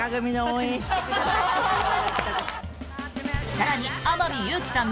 更に、天海祐希さん